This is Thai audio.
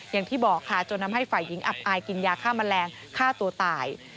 อย่างที่บอกค่ะจนทำให้ฝ่ายหญิงอับอายกินยาฆ่าแมลงฆ่าตัวตาย